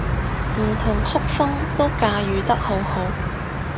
唔同曲風都駕馭得好好